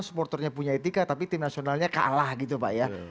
supporternya punya etika tapi tim nasionalnya kalah gitu pak ya